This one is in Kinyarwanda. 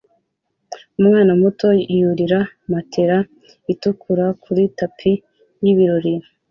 Umwana muto yurira matela itukura kuri tapi y'ibirori